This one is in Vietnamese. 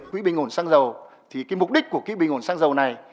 quỹ bình ổn xăng dầu thì cái mục đích của quỹ bình ổn xăng dầu này